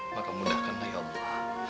maka mudahkanlah ya allah